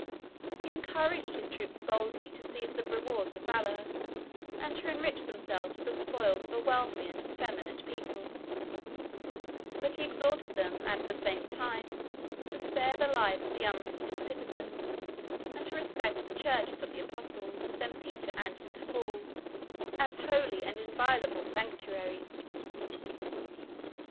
He encouraged his troops boldly to seize the rewards of valor, and to enrich themselves with the spoils of a wealthy and effeminate people: but he exhorted them, at the same time, to spare the lives of the unresisting citizens, and to respect the churches of the apostles, St. Peter and St. Paul, as holy and inviolable sanctuaries.